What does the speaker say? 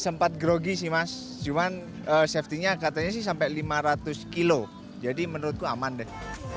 sempat grogi sih mas cuman safety nya katanya sih sampai lima ratus kilo jadi menurutku aman deh